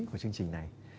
của chương trình này